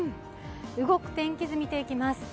動く天気図見ていきます。